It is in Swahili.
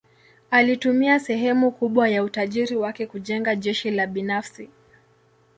Alitumia sehemu kubwa ya utajiri wake kujenga jeshi la binafsi.